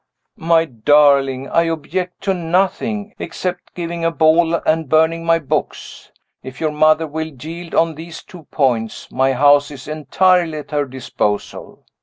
"My darling, I object to nothing except giving a ball and burning my books. If your mother will yield on these two points, my house is entirely at her disposal."